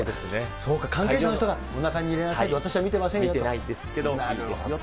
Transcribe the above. そうか、関係者の人がおなかに入れなさい、私は見てませんよと。